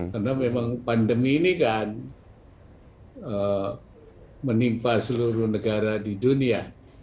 karena memang pandemi ini kan menimpa seluruh negara di dunia